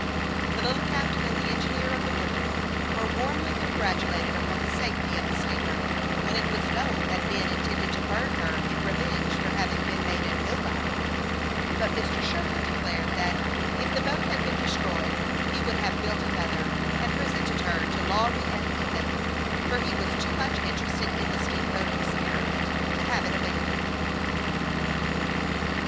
The little captain and the engineer of the Woodville were warmly congratulated upon the safety of the steamer, when it was known that Ben intended to burn her in revenge for having been made a " nobody ;" but Mr. Sherwood declared that, if the boat had been destroyed, he would have built another, and presented her to Lawry and Ethan, for he was too much interested in the steamboat i experiment to have it abandoned.